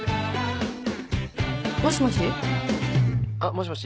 もしもし？